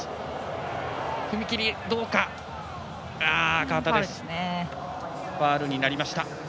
赤旗、ファウルになりました。